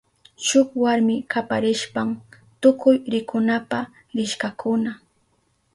Shuk warmi kaparishpan tukuy rikunapa rishkakuna.